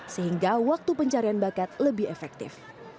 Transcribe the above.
sehingga waktu pencarian bakat lebih efektif